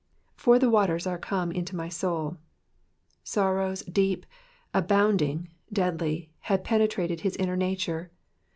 '' J?br the waters are come in unto my wuV^ Sorrows, deep, abounding, deadly, had penetrated his inner nature.